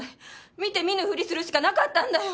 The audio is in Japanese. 見て見ぬふりするしかなかったんだよ！